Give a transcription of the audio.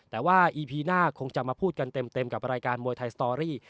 แต่ว่าอีพีหน้าคงจะมาพูดกันเต็มกับรายการมวยไทยสตอรี่